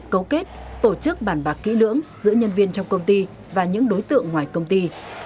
cấu kết tổ chức bàn bạc kỹ lưỡng giữa nhân viên trong công ty và những đối tượng ngoài công ty